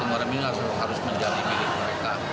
semua reming harus menjadi milik mereka